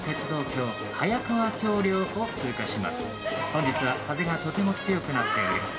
本日は風がとても強くなっております。